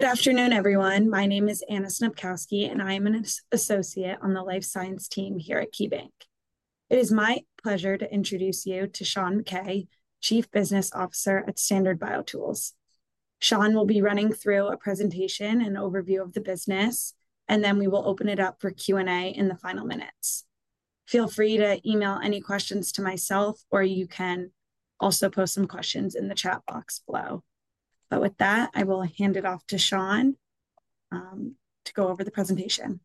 Good afternoon, everyone. My name is Anna Snopkowski, and I am an Associate on the Life Science team here at KeyBank. It is my pleasure to introduce you to Sean MacKay, Chief Business Officer at Standard BioTools. Sean will be running through a presentation and overview of the business, and then we will open it up for Q&A in the final minutes. Feel free to email any questions to myself, or you can also post some questions in the chat box below. With that, I will hand it off to Sean to go over the presentation.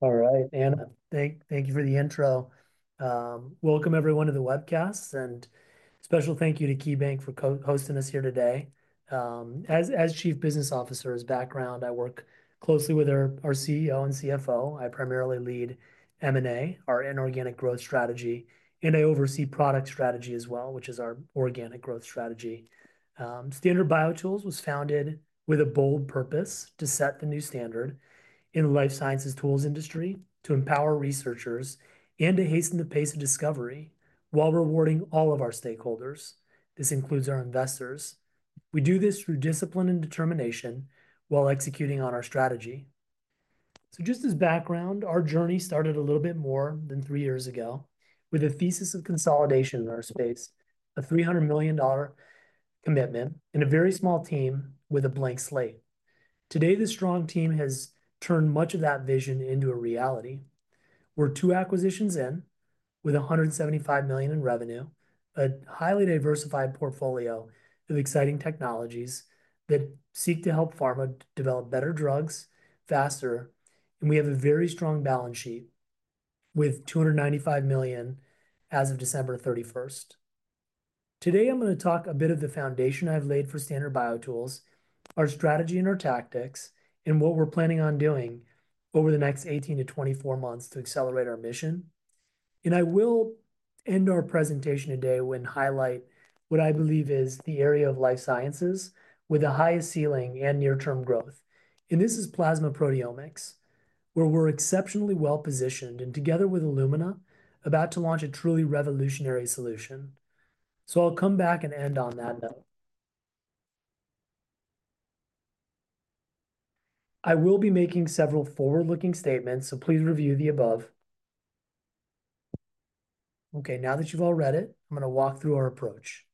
All right, Anna, thank you for the intro. Welcome, everyone, to the webcast, and special thank you to KeyBank for hosting us here today. As Chief Business Officer as background, I work closely with our CEO and CFO. I primarily lead M&A, our inorganic growth strategy, and I oversee product strategy as well, which is our organic growth strategy. Standard BioTools was founded with a bold purpose to set the new standard in the life sciences tools industry to empower researchers and to hasten the pace of discovery while rewarding all of our stakeholders. This includes our investors. We do this through discipline and determination while executing on our strategy. Just as background, our journey started a little bit more than three years ago with a thesis of consolidation in our space, a $300 million commitment, and a very small team with a blank slate. Today, the strong team has turned much of that vision into a reality. We're two acquisitions in with $175 million in revenue, a highly diversified portfolio of exciting technologies that seek to help pharma develop better drugs faster. We have a very strong balance sheet with $295 million as of December 31st. Today, I'm going to talk a bit of the foundation I've laid for Standard BioTools, our strategy and our tactics, and what we're planning on doing over the next 18-24 months to accelerate our mission. I will end our presentation today when I highlight what I believe is the area of life sciences with the highest ceiling and near-term growth. This is plasma proteomics, where we're exceptionally well positioned and together with Illumina about to launch a truly revolutionary solution. I'll come back and end on that note. I will be making several forward-looking statements, so please review the above. Okay, now that you've all read it, I'm going to walk through our approach.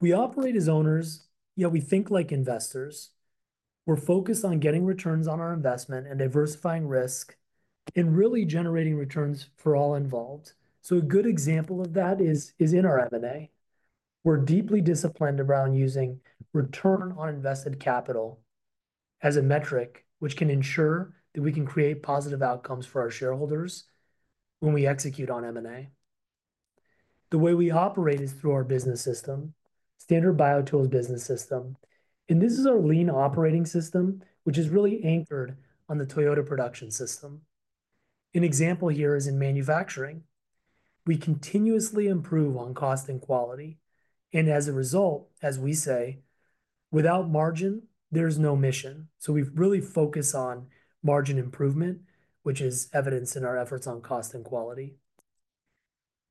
We operate as owners, yet we think like investors. We're focused on getting returns on our investment and diversifying risk and really generating returns for all involved. A good example of that is in our M&A. We're deeply disciplined around using return on invested capital as a metric, which can ensure that we can create positive outcomes for our shareholders when we execute on M&A. The way we operate is through our business system, Standard BioTools Business System. This is our lean operating system, which is really anchored on the Toyota Production System. An example here is in manufacturing. We continuously improve on cost and quality. As a result, as we say, without margin, there's no mission. We really focus on margin improvement, which is evidenced in our efforts on cost and quality.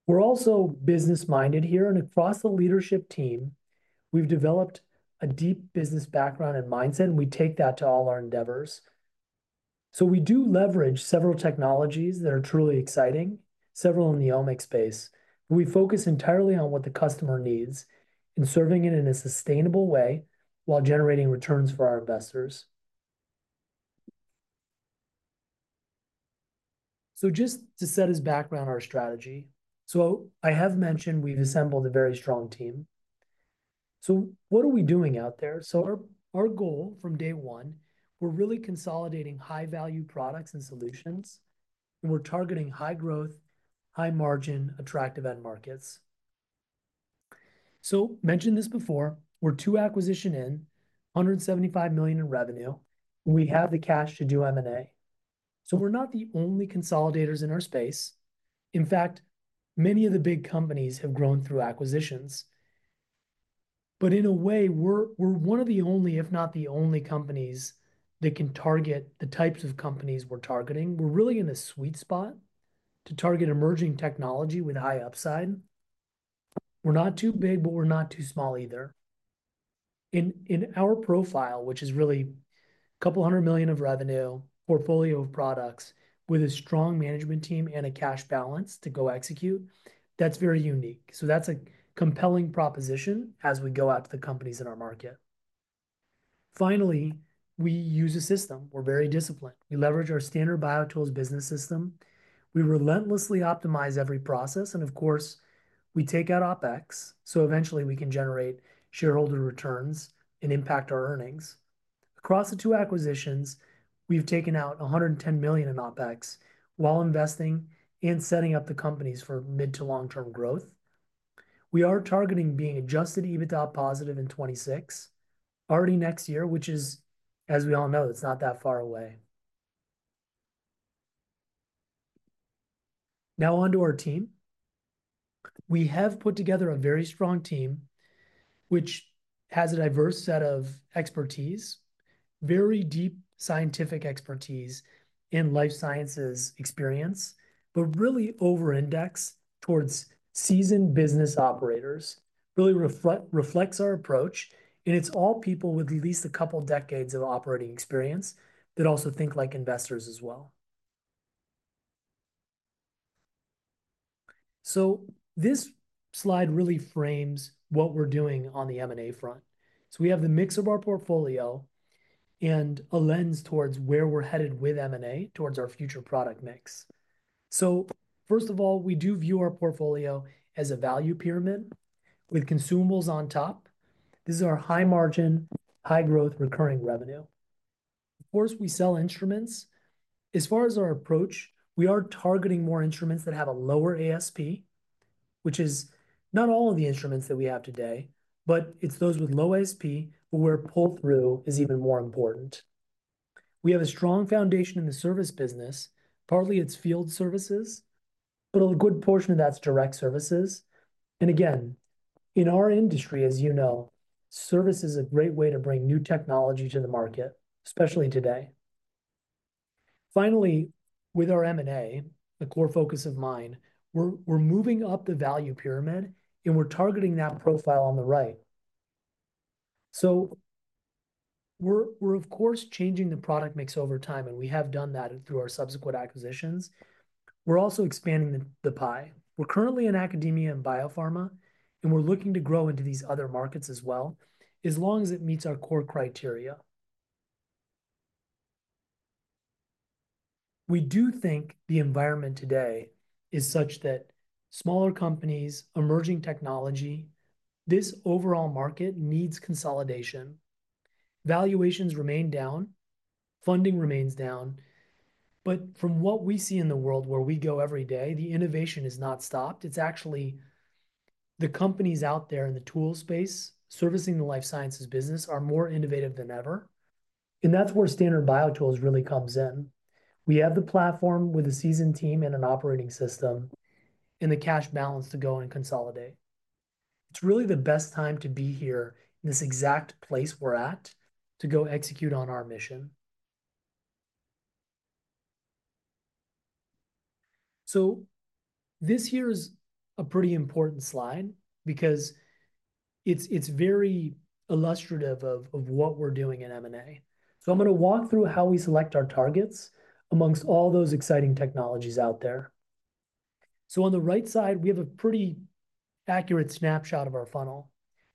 We're also business-minded here. Across the leadership team, we've developed a deep business background and mindset, and we take that to all our endeavors. We do leverage several technologies that are truly exciting, several in the omics space. We focus entirely on what the customer needs and serving it in a sustainable way while generating returns for our investors. Just to set as background our strategy, I have mentioned we've assembled a very strong team. What are we doing out there? Our goal from day one, we're really consolidating high-value products and solutions, and we're targeting high-growth, high-margin, attractive end markets. I mentioned this before, we're two acquisitions in, $175 million in revenue, and we have the cash to do M&A. We're not the only consolidators in our space. In fact, many of the big companies have grown through acquisitions. In a way, we're one of the only, if not the only, companies that can target the types of companies we're targeting. We're really in a sweet spot to target emerging technology with high upside. We're not too big, but we're not too small either. In our profile, which is really a couple hundred million of revenue, portfolio of products with a strong management team and a cash balance to go execute, that's very unique. That's a compelling proposition as we go out to the companies in our market. Finally, we use a system. We're very disciplined. We leverage our Standard BioTools Business System. We relentlessly optimize every process. Of course, we take out OPEX so eventually we can generate shareholder returns and impact our earnings. Across the two acquisitions, we've taken out $110 million in OPEX while investing and setting up the companies for mid to long-term growth. We are targeting being adjusted EBITDA positive in 2026, already next year, which is, as we all know, it's not that far away. Now onto our team. We have put together a very strong team, which has a diverse set of expertise, very deep scientific expertise in life sciences experience, but really over-indexed towards seasoned business operators, really reflects our approach. It's all people with at least a couple decades of operating experience that also think like investors as well. This slide really frames what we're doing on the M&A front. We have the mix of our portfolio and a lens towards where we're headed with M&A towards our future product mix. First of all, we do view our portfolio as a value pyramid with consumables on top. This is our high-margin, high-growth, recurring revenue. Of course, we sell instruments. As far as our approach, we are targeting more instruments that have a lower ASP, which is not all of the instruments that we have today, but it's those with low ASP where pull-through is even more important. We have a strong foundation in the service business, partly it's field services, but a good portion of that's direct services. Again, in our industry, as you know, service is a great way to bring new technology to the market, especially today. Finally, with our M&A, a core focus of mine, we're moving up the value pyramid, and we're targeting that profile on the right. We're, of course, changing the product mix over time, and we have done that through our subsequent acquisitions. We're also expanding the pie. We're currently in academia and biopharma, and we're looking to grow into these other markets as well, as long as it meets our core criteria. We do think the environment today is such that smaller companies, emerging technology, this overall market needs consolidation. Valuations remain down, funding remains down. From what we see in the world where we go every day, the innovation has not stopped. It's actually the companies out there in the tool space servicing the life sciences business are more innovative than ever. That's where Standard BioTools really comes in. We have the platform with a seasoned team and an operating system and the cash balance to go and consolidate. It's really the best time to be here in this exact place we're at to go execute on our mission. This here is a pretty important slide because it's very illustrative of what we're doing in M&A. I'm going to walk through how we select our targets amongst all those exciting technologies out there. On the right side, we have a pretty accurate snapshot of our funnel.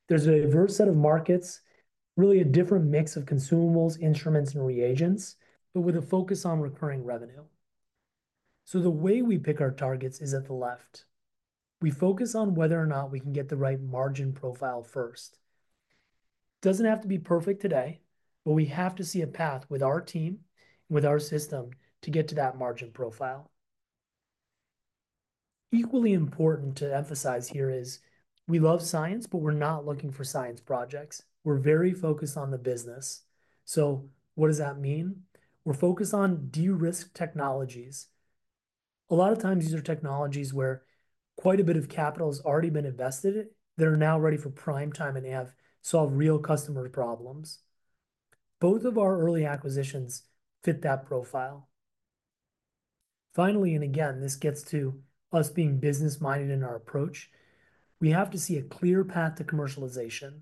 There's a diverse set of markets, really a different mix of consumables, instruments, and reagents, but with a focus on recurring revenue. The way we pick our targets is at the left. We focus on whether or not we can get the right margin profile first. It doesn't have to be perfect today, but we have to see a path with our team, with our system to get to that margin profile. Equally important to emphasize here is we love science, but we're not looking for science projects. We're very focused on the business. What does that mean? We're focused on de-risk technologies. A lot of times, these are technologies where quite a bit of capital has already been invested that are now ready for prime time and have solved real customer problems. Both of our early acquisitions fit that profile. Finally, again, this gets to us being business-minded in our approach, we have to see a clear path to commercialization.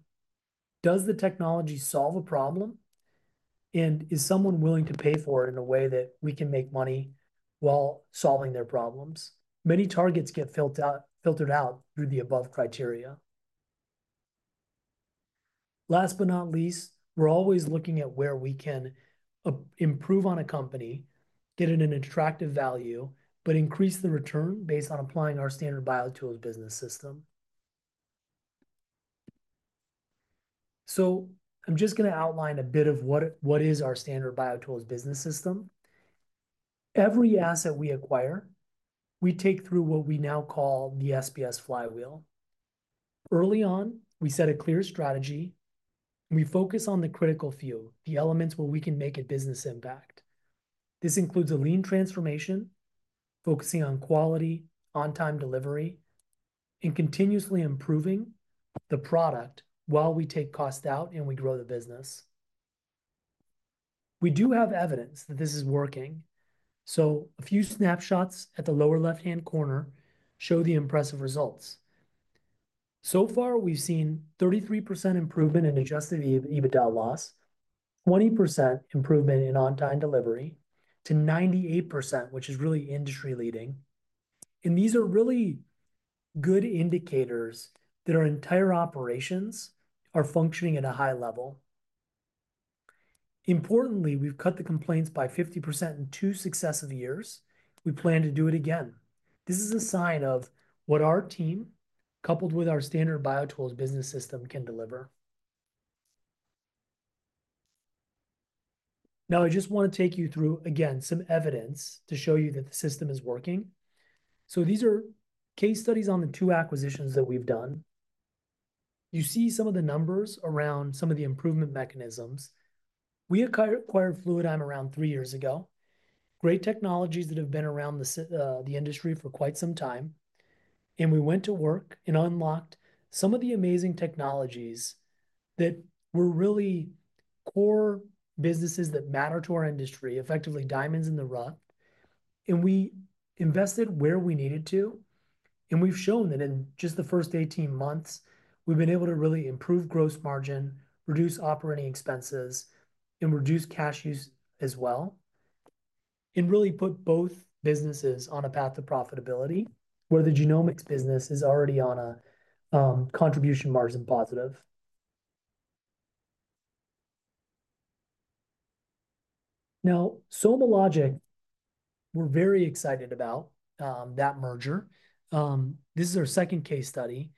Does the technology solve a problem? Is someone willing to pay for it in a way that we can make money while solving their problems? Many targets get filtered out through the above criteria. Last but not least, we're always looking at where we can improve on a company, get it an attractive value, but increase the return based on applying our Standard BioTools Business System. I'm just going to outline a bit of what is our Standard BioTools Business System. Every asset we acquire, we take through what we now call the SBS Flywheel. Early on, we set a clear strategy. We focus on the critical few, the elements where we can make a business impact. This includes a lean transformation, focusing on quality, on-time delivery, and continuously improving the product while we take cost out and we grow the business. We do have evidence that this is working. A few snapshots at the lower left-hand corner show the impressive results. So far, we've seen 33% improvement in adjusted EBITDA loss, 20% improvement in on-time delivery to 98%, which is really industry-leading. These are really good indicators that our entire operations are functioning at a high level. Importantly, we've cut the complaints by 50% in two successive years. We plan to do it again. This is a sign of what our team, coupled with our Standard BioTools Business System, can deliver. I just want to take you through, again, some evidence to show you that the system is working. These are case studies on the two acquisitions that we've done. You see some of the numbers around some of the improvement mechanisms. We acquired Fluidigm around three years ago, great technologies that have been around the industry for quite some time. We went to work and unlocked some of the amazing technologies that were really core businesses that matter to our industry, effectively diamonds in the rough. We invested where we needed to. We have shown that in just the first 18 months, we have been able to really improve gross margin, reduce operating expenses, and reduce cash use as well, and really put both businesses on a path to profitability, where the genomics business is already on a contribution margin positive. Now, SomaLogic, we are very excited about that merger. This is our second case study.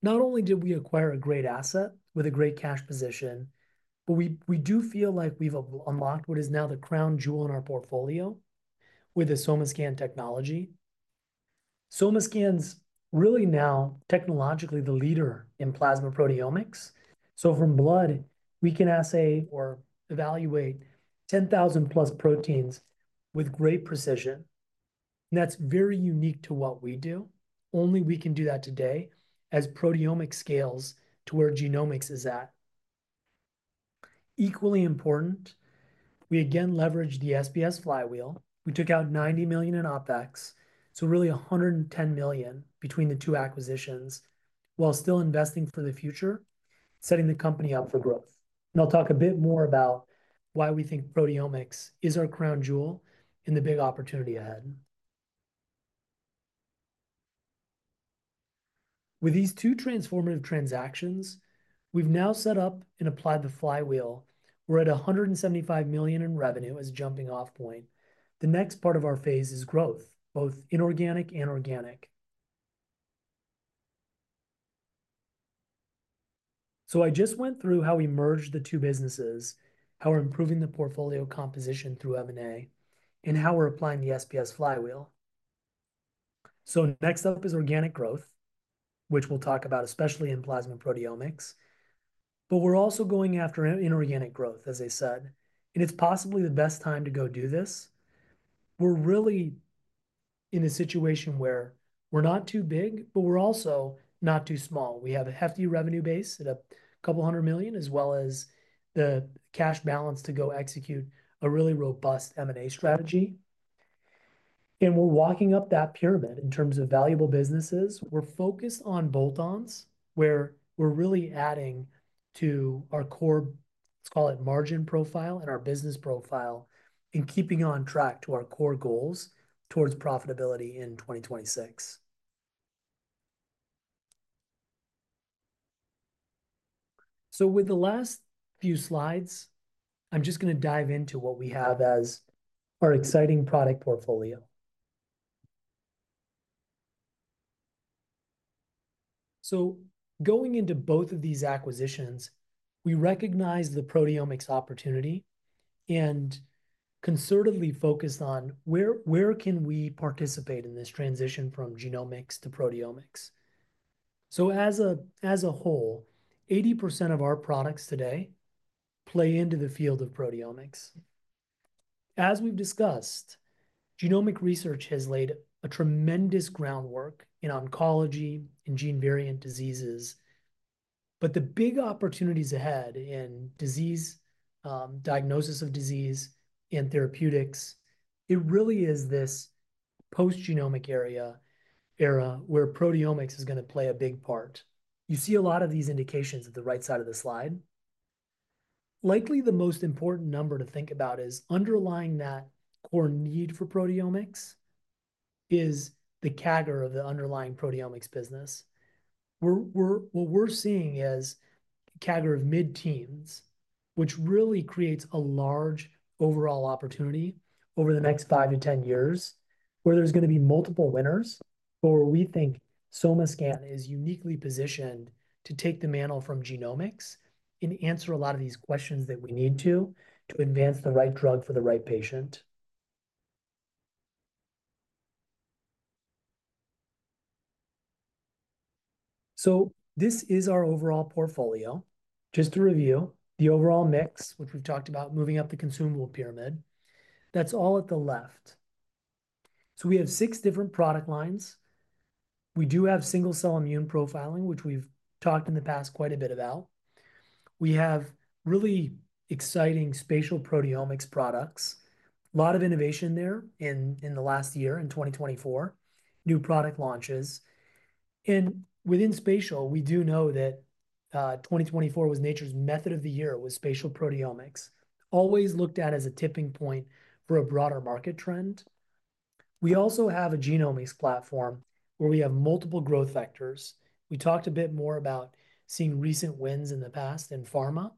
Not only did we acquire a great asset with a great cash position, but we do feel like we have unlocked what is now the crown jewel in our portfolio with the SomaScan technology. SomaScan is really now technologically the leader in plasma proteomics. From blood, we can assay or evaluate 10,000+ proteins with great precision. That is very unique to what we do. Only we can do that today as proteomics scales to where genomics is at. Equally important, we again leveraged the SBS Flywheel. We took out $90 million in OPEX, so really $110 million between the two acquisitions while still investing for the future, setting the company up for growth. I will talk a bit more about why we think proteomics is our crown jewel and the big opportunity ahead. With these two transformative transactions, we have now set up and applied the Flywheel. We are at $175 million in revenue as a jumping-off point. The next part of our phase is growth, both inorganic and organic. I just went through how we merged the two businesses, how we're improving the portfolio composition through M&A, and how we're applying the SBS Flywheel. Next up is organic growth, which we'll talk about, especially in plasma proteomics. We're also going after inorganic growth, as I said. It's possibly the best time to go do this. We're really in a situation where we're not too big, but we're also not too small. We have a hefty revenue base at a couple hundred million, as well as the cash balance to go execute a really robust M&A strategy. We're walking up that pyramid in terms of valuable businesses. We're focused on bolt-ons where we're really adding to our core, let's call it margin profile and our business profile and keeping on track to our core goals towards profitability in 2026. With the last few slides, I'm just going to dive into what we have as our exciting product portfolio. Going into both of these acquisitions, we recognize the proteomics opportunity and concertedly focus on where we can participate in this transition from genomics to proteomics. As a whole, 80% of our products today play into the field of proteomics. As we've discussed, genomic research has laid a tremendous groundwork in oncology and gene variant diseases. The big opportunities ahead in disease, diagnosis of disease, and therapeutics, it really is this post-genomic era where proteomics is going to play a big part. You see a lot of these indications at the right side of the slide. Likely, the most important number to think about is underlying that core need for proteomics is the CAGR of the underlying proteomics business. What we're seeing is a CAGR of mid-teens, which really creates a large overall opportunity over the next 5-10 years where there's going to be multiple winners, where we think SomaScan is uniquely positioned to take the mantle from genomics and answer a lot of these questions that we need to to advance the right drug for the right patient. This is our overall portfolio. Just to review, the overall mix, which we've talked about moving up the consumable pyramid, that's all at the left. We have six different product lines. We do have single-cell immune profiling, which we've talked in the past quite a bit about. We have really exciting spatial proteomics products, a lot of innovation there in the last year, in 2024, new product launches. Within spatial, we do know that 2024 was Nature's Method of the Year with spatial proteomics, always looked at as a tipping point for a broader market trend. We also have a genomics platform where we have multiple growth vectors. We talked a bit more about seeing recent wins in the past in pharma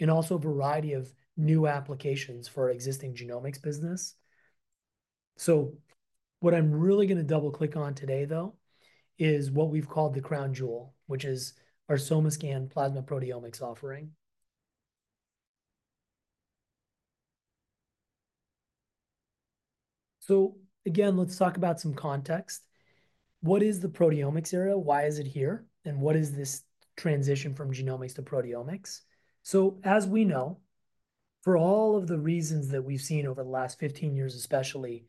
and also a variety of new applications for our existing genomics business. What I'm really going to double-click on today, though, is what we've called the crown jewel, which is our SomaScan plasma proteomics offering. Again, let's talk about some context. What is the proteomics area? Why is it here? What is this transition from genomics to proteomics? As we know, for all of the reasons that we've seen over the last 15 years, especially,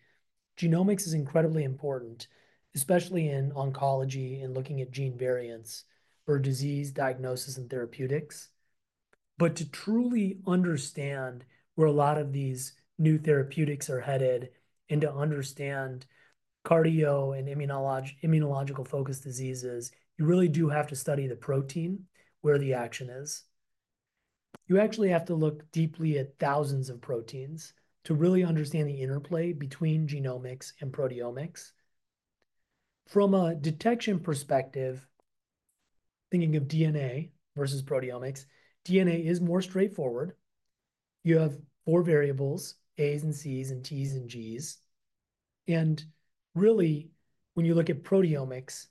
genomics is incredibly important, especially in oncology and looking at gene variants for disease diagnosis and therapeutics. To truly understand where a lot of these new therapeutics are headed and to understand cardio and immunological focused diseases, you really do have to study the protein where the action is. You actually have to look deeply at thousands of proteins to really understand the interplay between genomics and proteomics. From a detection perspective, thinking of DNA versus proteomics, DNA is more straightforward. You have four variables, A's and C's and T's and G's. Really, when you look at proteomics,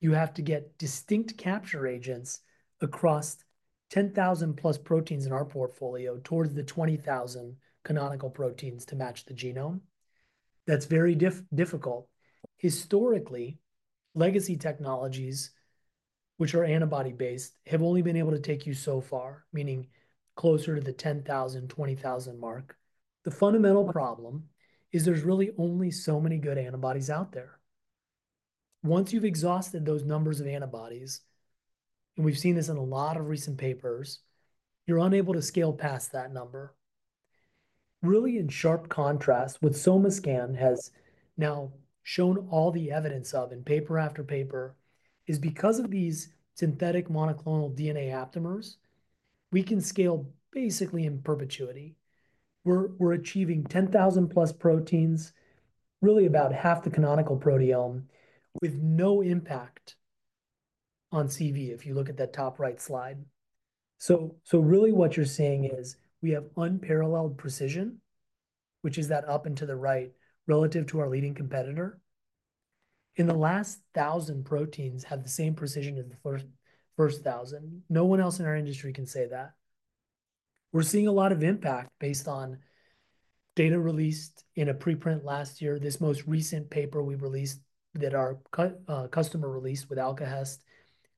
you have to get distinct capture agents across 10,000+ proteins in our portfolio towards the 20,000 canonical proteins to match the genome. That's very difficult. Historically, legacy technologies, which are antibody-based, have only been able to take you so far, meaning closer to the 10,000-20,000 mark. The fundamental problem is there's really only so many good antibodies out there. Once you've exhausted those numbers of antibodies, and we've seen this in a lot of recent papers, you're unable to scale past that number. Really, in sharp contrast, what SomaScan has now shown all the evidence of in paper after paper is because of these synthetic monoclonal DNA aptamers, we can scale basically in perpetuity. We're achieving 10,000+ proteins, really about half the canonical proteome, with no impact on CV, if you look at that top right slide. What you're seeing is we have unparalleled precision, which is that up and to the right relative to our leading competitor. In the last 1,000 proteins, we have the same precision as the first 1,000. No one else in our industry can say that. We're seeing a lot of impact based on data released in a preprint last year, this most recent paper we released that our customer released with Alkahest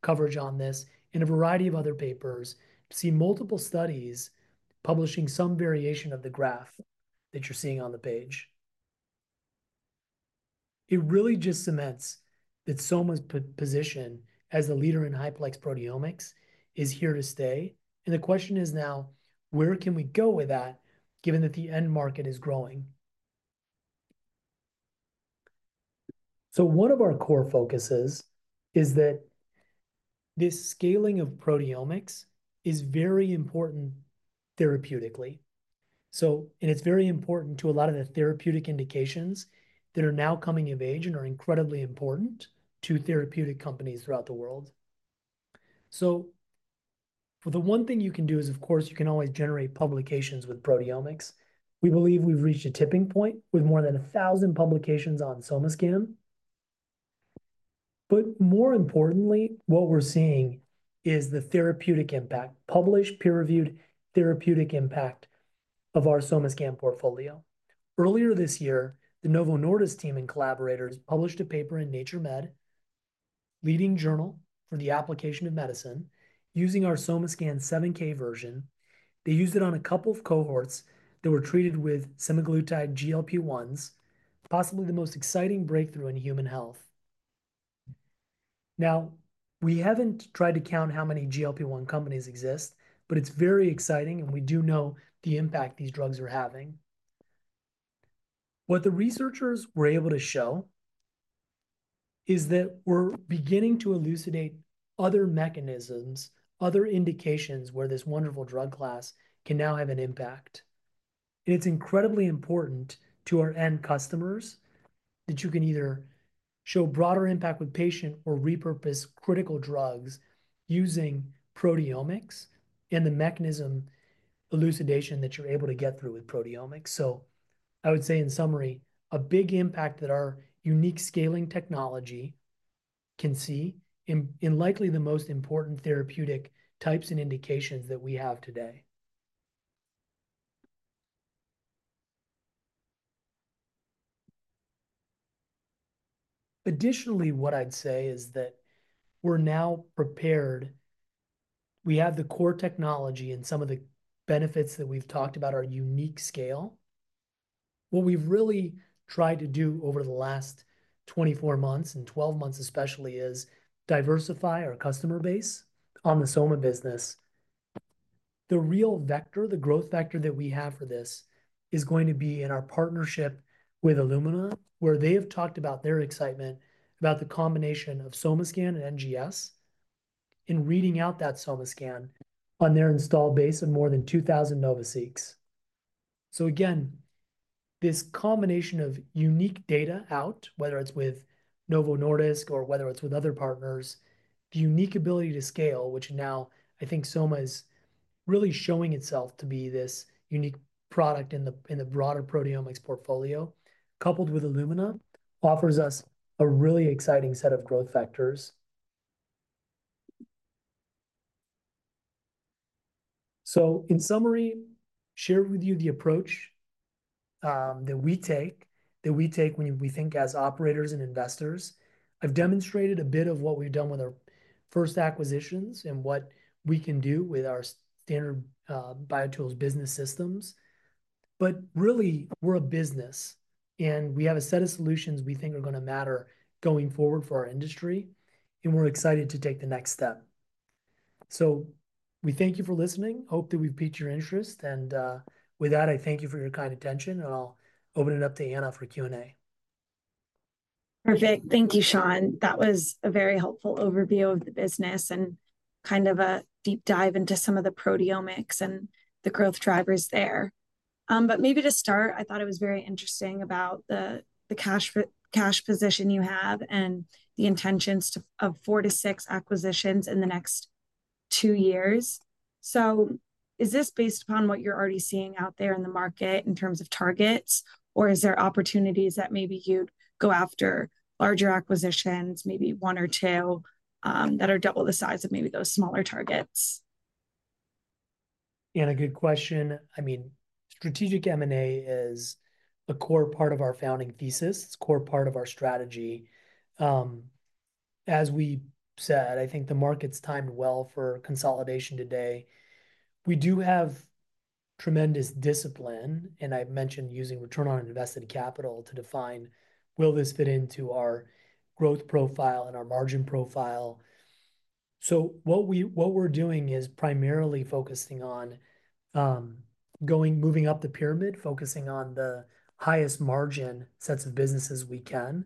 coverage on this, and a variety of other papers to see multiple studies publishing some variation of the graph that you're seeing on the page. It really just cements that Soma's position as a leader in high-plex proteomics is here to stay. The question is now, where can we go with that given that the end market is growing? One of our core focuses is that this scaling of proteomics is very important therapeutically. It's very important to a lot of the therapeutic indications that are now coming of age and are incredibly important to therapeutic companies throughout the world. The one thing you can do is, of course, you can always generate publications with proteomics. We believe we've reached a tipping point with more than 1,000 publications on SomaScan. More importantly, what we're seeing is the therapeutic impact, published, peer-reviewed therapeutic impact of our SomaScan portfolio. Earlier this year, the Novo Nordisk team and collaborators published a paper in Nature Med, leading journal for the application of medicine, using our SomaScan 7K version. They used it on a couple of cohorts that were treated with semaglutide GLP-1s, possibly the most exciting breakthrough in human health. We haven't tried to count how many GLP-1 companies exist, but it's very exciting, and we do know the impact these drugs are having. What the researchers were able to show is that we're beginning to elucidate other mechanisms, other indications where this wonderful drug class can now have an impact. It is incredibly important to our end customers that you can either show broader impact with patient or repurpose critical drugs using proteomics and the mechanism elucidation that you are able to get through with proteomics. I would say, in summary, a big impact that our unique scaling technology can see in likely the most important therapeutic types and indications that we have today. Additionally, what I would say is that we are now prepared. We have the core technology, and some of the benefits that we have talked about are unique scale. What we have really tried to do over the last 24 months and 12 months, especially, is diversify our customer base on the Soma business. The real vector, the growth vector that we have for this is going to be in our partnership with Illumina, where they have talked about their excitement about the combination of SomaScan and NGS in reading out that SomaScan on their installed base of more than 2,000 NovaSeqs. This combination of unique data out, whether it's with Novo Nordisk or whether it's with other partners, the unique ability to scale, which now I think Soma is really showing itself to be this unique product in the broader proteomics portfolio, coupled with Illumina, offers us a really exciting set of growth factors. In summary, share with you the approach that we take, that we take when we think as operators and investors. I've demonstrated a bit of what we've done with our first acquisitions and what we can do with our Standard BioTools Business Systems. But really, we're a business, and we have a set of solutions we think are going to matter going forward for our industry, and we're excited to take the next step. We thank you for listening. Hope that we've piqued your interest. With that, I thank you for your kind attention, and I'll open it up to Anna for Q&A. Perfect. Thank you, Sean. That was a very helpful overview of the business and kind of a deep dive into some of the proteomics and the growth drivers there. Maybe to start, I thought it was very interesting about the cash position you have and the intentions of four to six acquisitions in the next two years. Is this based upon what you're already seeing out there in the market in terms of targets, or is there opportunities that maybe you'd go after larger acquisitions, maybe one or two, that are double the size of maybe those smaller targets? Yeah, a good question. I mean, strategic M&A is a core part of our founding thesis. It's a core part of our strategy. As we said, I think the market's timed well for consolidation today. We do have tremendous discipline, and I mentioned using return on invested capital to define, will this fit into our growth profile and our margin profile? What we're doing is primarily focusing on moving up the pyramid, focusing on the highest margin sets of businesses we can.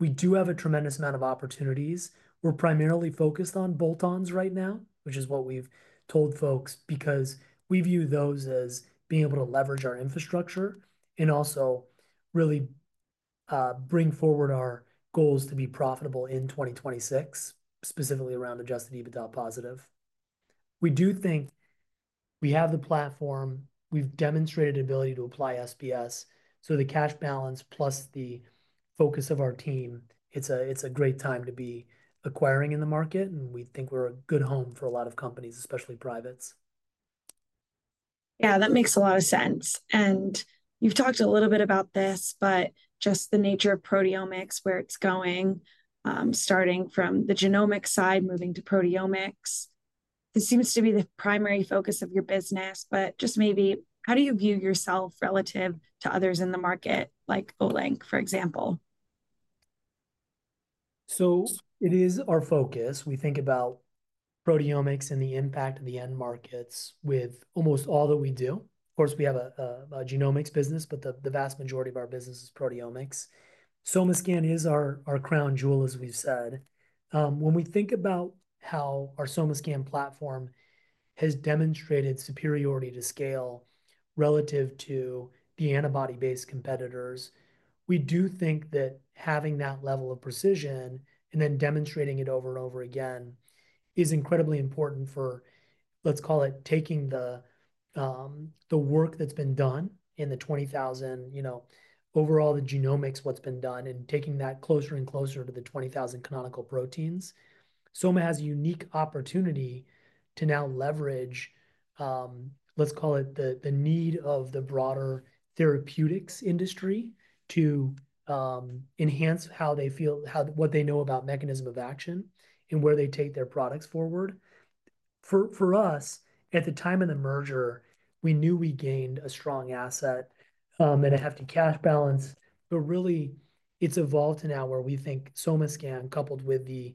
We do have a tremendous amount of opportunities. We're primarily focused on bolt-ons right now, which is what we've told folks because we view those as being able to leverage our infrastructure and also really bring forward our goals to be profitable in 2026, specifically around adjusted EBITDA positive. We do think we have the platform. We've demonstrated the ability to apply SBS. The cash balance plus the focus of our team, it's a great time to be acquiring in the market, and we think we're a good home for a lot of companies, especially privates. Yeah, that makes a lot of sense. You've talked a little bit about this, but just the nature of proteomics, where it's going, starting from the genomic side, moving to proteomics. This seems to be the primary focus of your business, but just maybe how do you view yourself relative to others in the market, like Olink, for example? It is our focus. We think about proteomics and the impact of the end markets with almost all that we do. Of course, we have a genomics business, but the vast majority of our business is proteomics. SomaScan is our crown jewel, as we've said. When we think about how our SomaScan platform has demonstrated superiority to scale relative to the antibody-based competitors, we do think that having that level of precision and then demonstrating it over and over again is incredibly important for, let's call it, taking the work that's been done in the 20,000, overall the genomics, what's been done, and taking that closer and closer to the 20,000 canonical proteins. Soma has a unique opportunity to now leverage, let's call it, the need of the broader therapeutics industry to enhance how they feel, what they know about mechanism of action and where they take their products forward. For us, at the time of the merger, we knew we gained a strong asset and a hefty cash balance, but really, it's evolved to now where we think SomaScan, coupled with the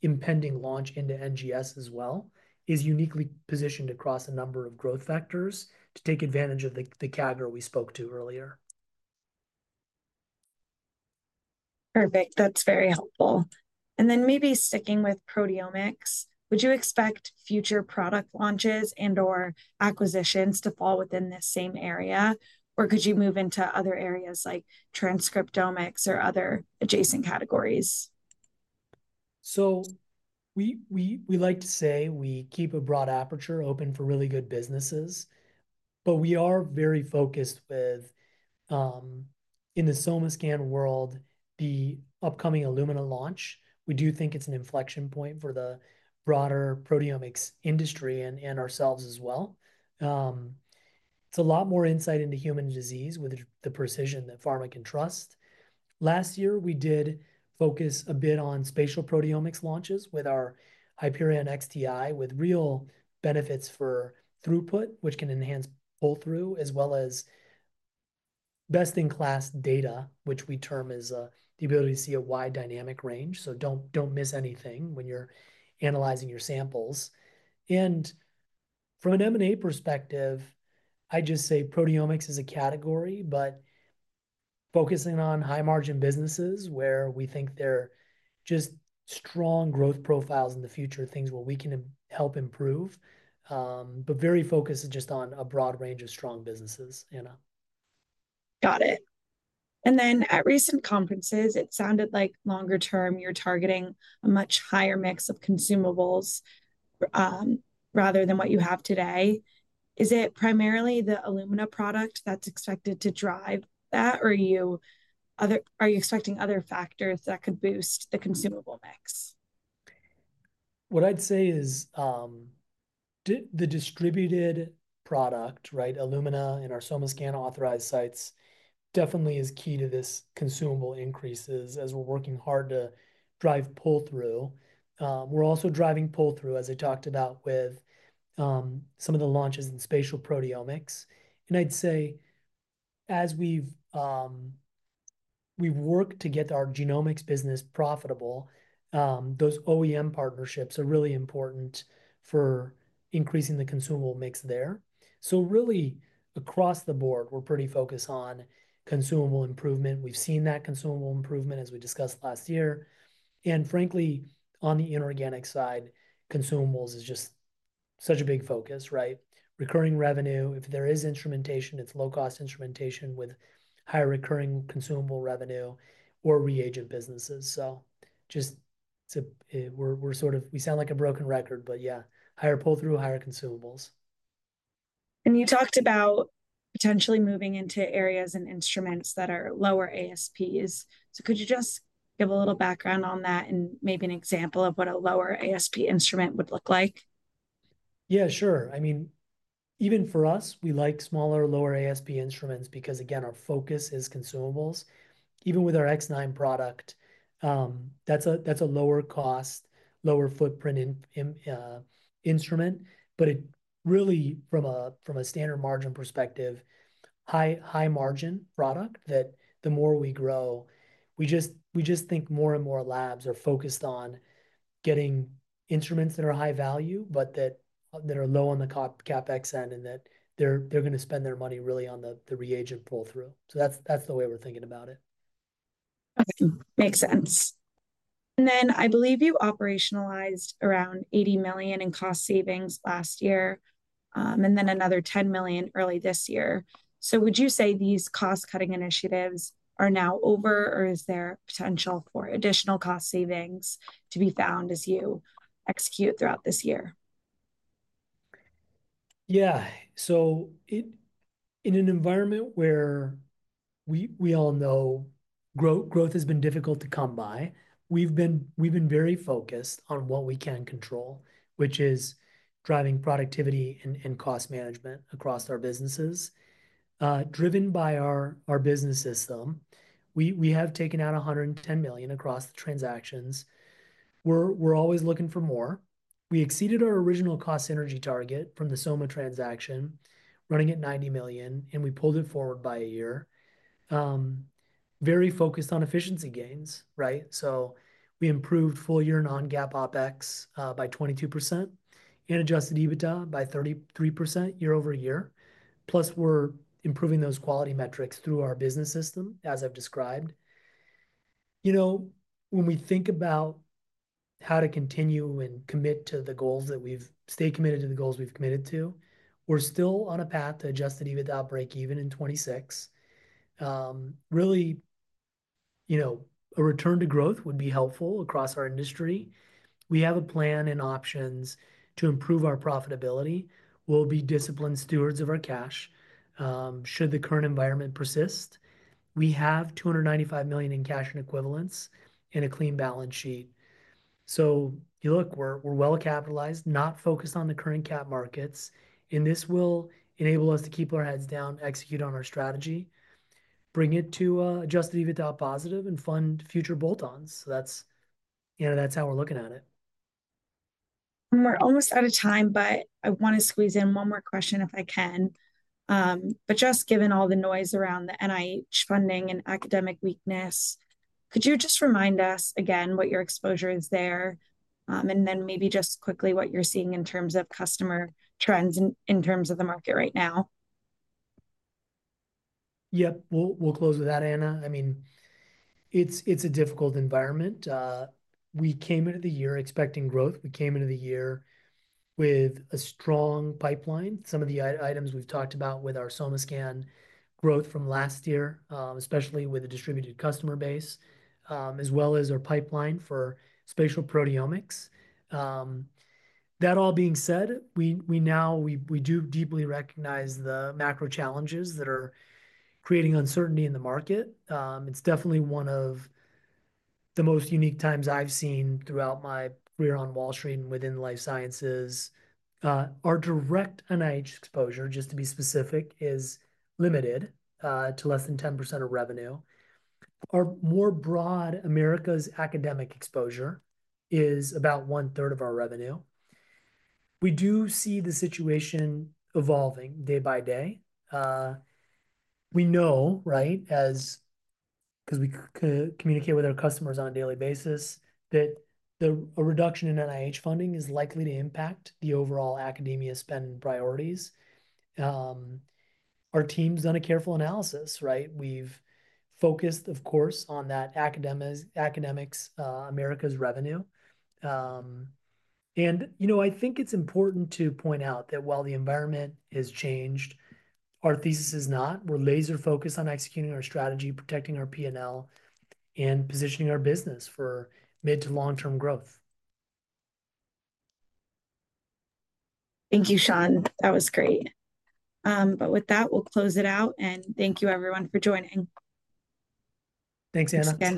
impending launch into NGS as well, is uniquely positioned across a number of growth factors to take advantage of the CAGR we spoke to earlier. Perfect. That's very helpful. Maybe sticking with proteomics, would you expect future product launches and/or acquisitions to fall within this same area, or could you move into other areas like transcriptomics or other adjacent categories? We like to say we keep a broad aperture open for really good businesses, but we are very focused with, in the SomaScan world, the upcoming Illumina launch. We do think it's an inflection point for the broader proteomics industry and ourselves as well. It's a lot more insight into human disease with the precision that pharma can trust. Last year, we did focus a bit on spatial proteomics launches with our Hyperion XTi, with real benefits for throughput, which can enhance pull-through, as well as best-in-class data, which we term as the ability to see a wide dynamic range. You don't miss anything when you're analyzing your samples. From an M&A perspective, I just say proteomics is a category, but focusing on high-margin businesses where we think there are just strong growth profiles in the future, things where we can help improve, but very focused just on a broad range of strong businesses. Got it. At recent conferences, it sounded like longer term you're targeting a much higher mix of consumables rather than what you have today. Is it primarily the Illumina product that's expected to drive that, or are you expecting other factors that could boost the consumable mix? What I'd say is the distributed product, right, Illumina and our SomaScan authorized sites definitely is key to this consumable increases as we're working hard to drive pull-through. We're also driving pull-through, as I talked about, with some of the launches in spatial proteomics. I'd say as we've worked to get our genomics business profitable, those OEM partnerships are really important for increasing the consumable mix there. Really, across the board, we're pretty focused on consumable improvement. We've seen that consumable improvement, as we discussed last year. Frankly, on the inorganic side, consumables is just such a big focus, right? Recurring revenue, if there is instrumentation, it's low-cost instrumentation with higher recurring consumable revenue or reagent businesses. We sort of sound like a broken record, but yeah, higher pull-through, higher consumables. You talked about potentially moving into areas and instruments that are lower ASPs. Could you just give a little background on that and maybe an example of what a lower ASP instrument would look like? Yeah, sure. I mean, even for us, we like smaller, lower ASP instruments because, again, our focus is consumables. Even with our X9 product, that's a lower-cost, lower-footprint instrument, but really, from a standard margin perspective, high-margin product that the more we grow, we just think more and more labs are focused on getting instruments that are high value, but that are low on the CapEx end and that they're going to spend their money really on the reagent pull-through. That's the way we're thinking about it. Makes sense. I believe you operationalized around $80 million in cost savings last year and then another $10 million early this year. Would you say these cost-cutting initiatives are now over, or is there potential for additional cost savings to be found as you execute throughout this year? Yeah. In an environment where we all know growth has been difficult to come by, we've been very focused on what we can control, which is driving productivity and cost management across our businesses. Driven by our business system, we have taken out $110 million across the transactions. We're always looking for more. We exceeded our original cost synergy target from the SomaLogic transaction, running at $90 million, and we pulled it forward by a year. Very focused on efficiency gains, right? We improved full-year non-GAAP OpEx by 22% and adjusted EBITDA by 33% year-over-year. Plus, we're improving those quality metrics through our business system, as I've described. When we think about how to continue and commit to the goals that we've stayed committed to, we're still on a path to adjusted EBITDA break-even in 2026. Really, a return to growth would be helpful across our industry. We have a plan and options to improve our profitability. We'll be disciplined stewards of our cash should the current environment persist. We have $295 million in cash and equivalents and a clean balance sheet. Look, we're well-capitalized, not focused on the current cap markets. This will enable us to keep our heads down, execute on our strategy, bring it to adjusted EBITDA positive, and fund future bolt-ons. That's how we're looking at it. We're almost out of time, but I want to squeeze in one more question if I can. Just given all the noise around the NIH funding and academic weakness, could you just remind us again what your exposure is there? Maybe just quickly what you're seeing in terms of customer trends in terms of the market right now. Yep. We'll close with that, Anna. I mean, it's a difficult environment. We came into the year expecting growth. We came into the year with a strong pipeline. Some of the items we've talked about with our SomaScan growth from last year, especially with the distributed customer base, as well as our pipeline for spatial proteomics. That all being said, now we do deeply recognize the macro challenges that are creating uncertainty in the market. It's definitely one of the most unique times I've seen throughout my career on Wall Street and within life sciences. Our direct NIH exposure, just to be specific, is limited to less than 10% of revenue. Our more broad Americas academic exposure is about 1/3 of our revenue. We do see the situation evolving day by day. We know, right, because we communicate with our customers on a daily basis, that a reduction in NIH funding is likely to impact the overall academia spend priorities. Our team's done a careful analysis, right? We've focused, of course, on that academics Americas revenue. I think it's important to point out that while the environment has changed, our thesis has not. We're laser-focused on executing our strategy, protecting our P&L, and positioning our business for mid to long-term growth. Thank you, Sean. That was great. With that, we'll close it out. Thank you, everyone, for joining. Thanks, Anna.